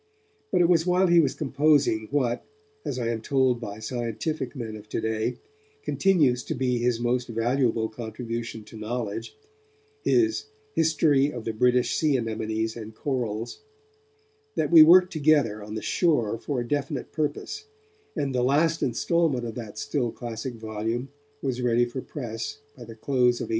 But it was while he was composing what, as I am told by scientific men of today, continues to be his most valuable contribution to knowledge, his History of the British Sea Anemones and Corals, that we worked together on the shore for a definite purpose, and the last instalment of that still classic volume was ready for press by the close of 1859.